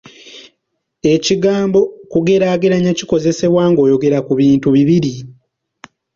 Ekigambo kugeraageranya kikozesebwa nga oyogera ku bintu bibiri.